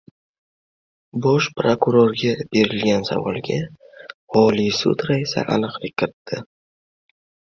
Bosh prokurorga berilgan savolga Oliy sud raisi aniqlik kiritdi